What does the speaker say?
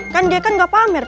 kan dia kan gak pamer